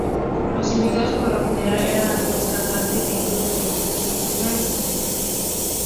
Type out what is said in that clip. Los invitados por lo general eran actores, cantantes e incluso deportistas profesionales.